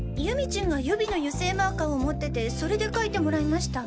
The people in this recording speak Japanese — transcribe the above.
チンが予備の油性マーカーを持っててそれで書いてもらいました。